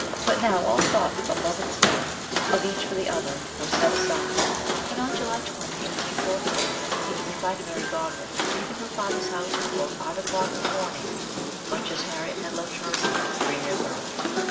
But now all thoughts but love and self, or each for the other, were set aside, and on July 20, 1814, we find Mary Godwin leaving her father's house before five o'clock in the morning, much as Harriet had left her home three years earlier.